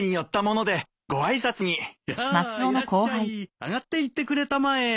上がっていってくれたまえ。